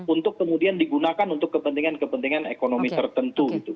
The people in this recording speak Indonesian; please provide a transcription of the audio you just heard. untuk kemudian digunakan untuk kepentingan kepentingan ekonomi tertentu gitu